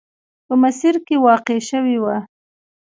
په مسیر کې واقع شوې وه.